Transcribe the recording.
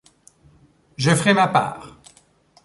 Je ferai ma part.